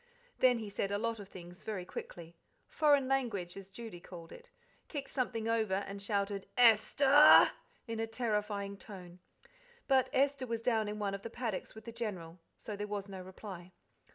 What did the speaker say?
Then he said a lot of things very quickly "foreign language" as Judy called it; kicked something over, and shouted "Esther!" in a terrifying tone. But Esther was down in one of the paddocks with the General, so there was no reply.